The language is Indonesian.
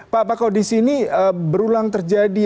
pak apa kondisi ini berulang terjadi